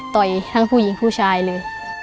ทั้งผู้หญิงผู้ชายเลย